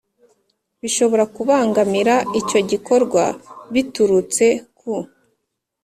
bishobora kubangamira icyo gikorwa, biturutse ku